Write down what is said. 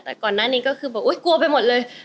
แต่ก่อนหน้านี้ก็คือบอกกลัวไปหมดเลย